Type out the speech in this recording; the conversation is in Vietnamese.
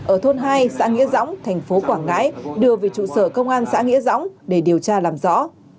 ở thôn hai xã nghĩa dõng thành phố quảng ngãi đưa về trụ sở công an xã nghĩa dõng để điều tra làm rõ